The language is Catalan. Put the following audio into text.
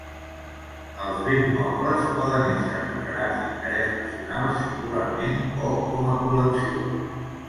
Els béns mobles poden ésser declarats d'interès nacional singularment o com a col·lecció.